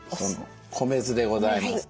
米酢でございます。